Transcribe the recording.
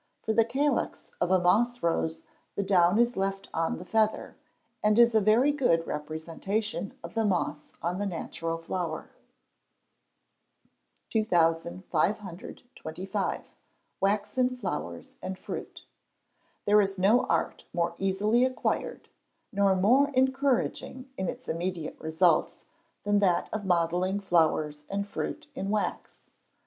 For the calyx of a moss rose the down is left on the feather, and is a very good representation of the moss on the natural flower. 2525. Waxen Flowers and Fruit. There is no art more easily acquired, nor more encouraging in its immediate results, than that of modelling flowers and fruit in wax.